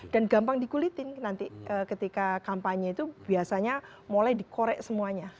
dan gampang dikulitin nanti ketika kampanye itu biasanya mulai dikorek semuanya